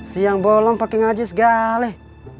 si yang bolong pake ngaji segaleh